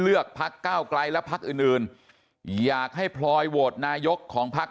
เลือกพัก๙กลายและพักอื่นอยากให้พลอยโหวดนายกของพัก